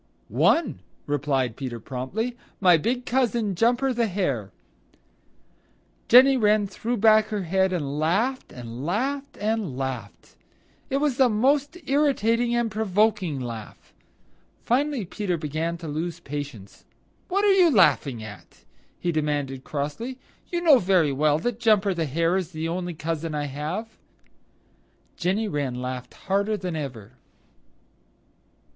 "One," replied Peter promptly, "my big cousin, Jumper the Hare." Jenny Wren threw back her head and laughed and laughed and laughed. It was a most irritating and provoking laugh. Finally Peter began to lose patience. "What are you laughing at?" he demanded crossly. "You know very well that Jumper the Hare is the only cousin I have." Jenny Wren laughed harder that ever.